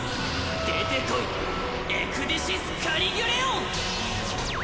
出てこいエクディシス・カリギュレオン！